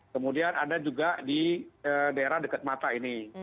kemudian ada juga di daerah dekat mata ini